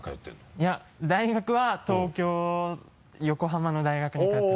いや大学は東京横浜の大学に通ってます。